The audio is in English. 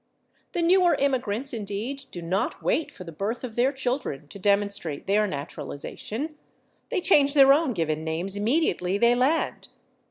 The newer immigrants, indeed, do not wait for the birth of children to demonstrate their naturalization; they change their own given names immediately they land.